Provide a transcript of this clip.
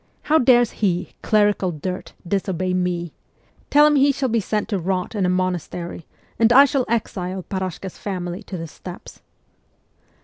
How dares he, clerical dirt, disobey me ? Tell him he shall be sent to rot in a monastery, and I shall exile Parashka's family to the steppes.'